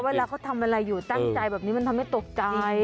เวลาเขาทำอะไรอยู่ตั้งใจแบบนี้มันทำให้ตกใจ